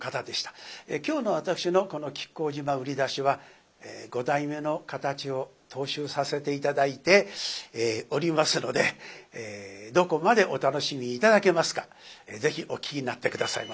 今日の私のこの「亀甲縞売出し」は五代目の形を踏襲させて頂いておりますのでどこまでお楽しみ頂けますかぜひお聴きになって下さいませ。